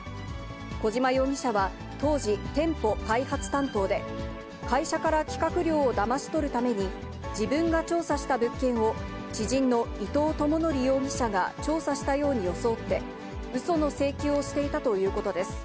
小島容疑者は、当時、店舗開発担当で、会社から企画料をだまし取るために、自分が調査した物件を知人の伊藤智則容疑者が調査したように装って、うその請求をしていたということです。